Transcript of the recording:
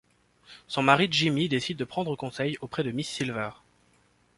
Son mari Jimmy décide de prendre conseil auprès de Miss Silver.